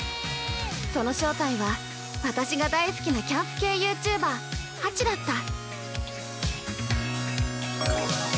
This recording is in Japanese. その正体は私が大好きなキャンプ系ユーチューバーハチだった。